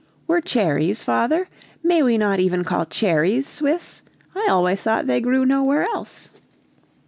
"Were cherries, father? May we not even call cherries Swiss? I always thought they grew nowhere else."